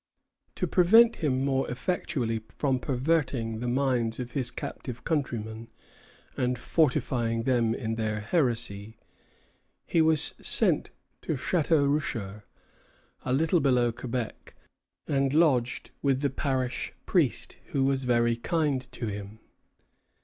To prevent him more effectually from perverting the minds of his captive countrymen, and fortifying them in their heresy, he was sent to Château Richer, a little below Quebec, and lodged with the parish priest, who was very kind to him.